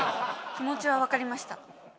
気持ちは分かりました。